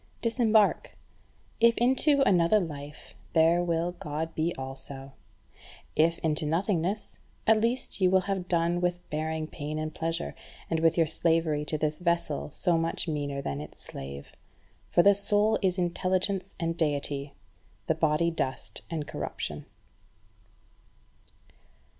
Disembark: if into another life, there will God be also; if into nothingness, at least you will have done with bearing pain and pleasure, and with your slavery to this vessel so much meaner than its slave. For the soul is intelligence and deity, the body dust and corruption.